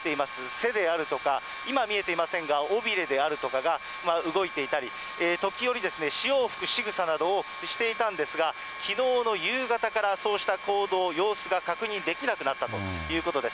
背であるとか、今見えていませんが、尾びれであるとかが、動いていたり、時折、潮を吹くしぐさなどをしていたんですが、きのうの夕方からそうした行動、様子が確認できなくなったということです。